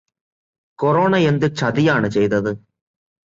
Corona എന്ത് ചതിയാണ് ചെയ്തത്?